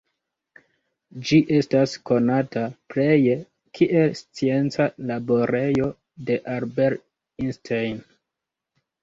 Ĝi estas konata pleje kiel scienca laborejo de Albert Einstein.